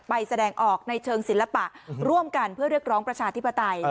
แสดงออกในเชิงศิลปะร่วมกันเพื่อเรียกร้องประชาธิปไตย